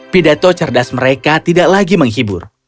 pidato cerdas mereka tidak lagi menghibur